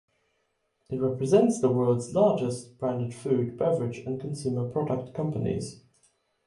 It represents the world's largest branded food, beverage and consumer product companies.